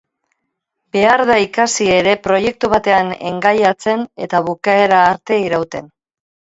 Behar da ikasi ere proiektu batean engaiatzen eta bukaera arte irauten.